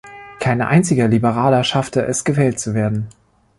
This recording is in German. Kein einziger Liberaler schaffte es, gewählt zu werden.